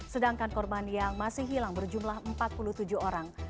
sedangkan korban yang masih hilang berjumlah empat puluh tujuh orang